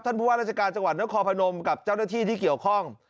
ผู้ว่าราชการจังหวัดนครพนมกับเจ้าหน้าที่ที่เกี่ยวข้อง